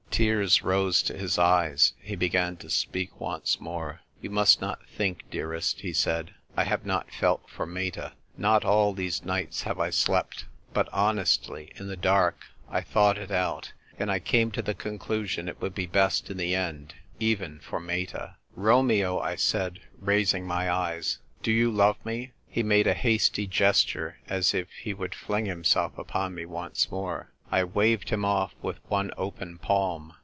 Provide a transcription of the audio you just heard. Tears rose to his eyes. He began to speak once more. " You must not think, dearest," he said, " I have not felt for Meta. Not all these nights have I slept ; but, honestly, in the dark, I thought it out, and I came to the conclusion it would be best in the end — even for Meta." ENVOY I'LENirOTENTIARY. 25 I " Romeo," I said, raising my eyes, "do you love me ?" He made a hasty gesture as if he would fling himself upon me once more. I waved him off with one open palm.